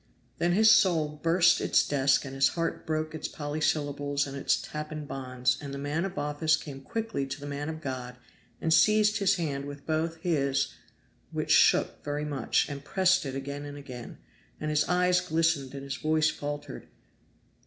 Then his soul burst its desk and his heart broke its polysyllables and its tapen bonds, and the man of office came quickly to the man of God and seized his hand with both his which shook very much, and pressed it again and again, and his eyes glistened and his voice faltered.